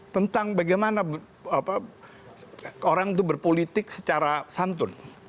tentang bagaimana orang itu berpolitik secara santun